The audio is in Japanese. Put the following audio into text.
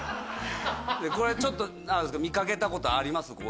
これはちょっと見かけた事あります？